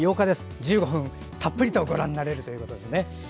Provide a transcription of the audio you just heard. １５分たっぷりとご覧になれるということですね。